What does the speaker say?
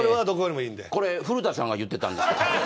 これ古田さんが言ってたんで。